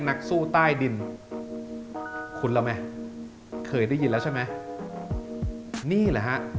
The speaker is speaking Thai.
นักสู้ใต้ดินคุ้นแล้วไหมเคยได้ยินแล้วใช่ไหมนี่แหละฮะ